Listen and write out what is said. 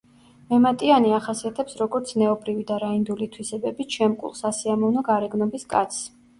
მემატიანე ახასიათებს როგორც ზნეობრივი და რაინდული თვისებებით შემკულ, სასიამოვნო გარეგნობის კაცს.